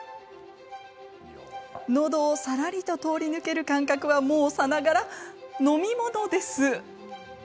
のどをさらりと通り抜ける感覚はもう、さながら飲み物です。